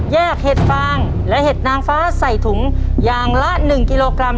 เห็ดฟางและเห็ดนางฟ้าใส่ถุงอย่างละ๑กิโลกรัม